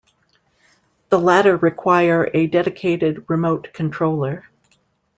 The latter require a dedicated remote controller.